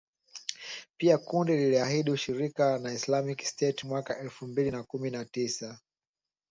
Pia kundi liliahidi ushirika na Islamic State mwaka elfu mbili na kumi na tisa